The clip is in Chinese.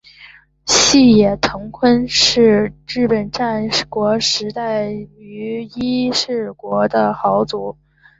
细野藤敦是日本战国时代于伊势国的豪族。